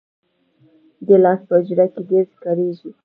ګیلاس په حجره کې ډېر کارېږي.